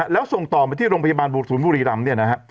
แล้วส่งต่อมาที่โรงพยาบาลศูนย์บรีรัมน์